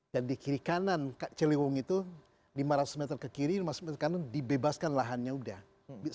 dan di kiri kanan ciliwung itu lima ratus meter ke kiri lima ratus meter ke kanan dibebaskan lahannya udah sedesit